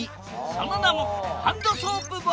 その名もハンドソープボール！